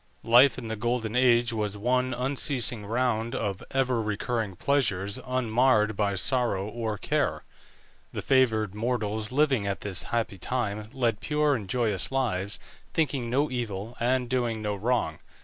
Life in the Golden Age was one unceasing round of ever recurring pleasures unmarred by sorrow or care. The favoured mortals living at this happy time led pure and joyous lives, thinking no evil, and doing no wrong.